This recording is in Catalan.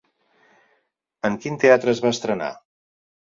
En quin teatre es va estrenar?